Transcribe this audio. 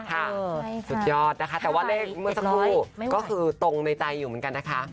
สุดยอดนะคะแต่ว่าเลขเมื่อสักครู่ก็คือตรงในใจอยู่เหมือนกันนะคะ